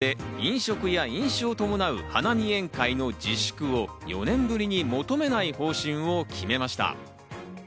東京都は上野公園などの都立公園で飲食や飲酒を伴う、花見宴会の自粛を４年ぶりに求めない方針を決めました。